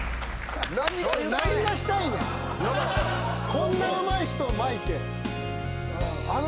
こんなうまい人を巻いて。